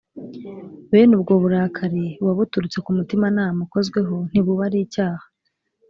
bene ubwo burakari, buba buturutse ku mutimanama ukozweho, ntibuba ari icyaha